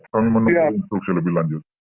kami menunggu instruksi lebih lanjut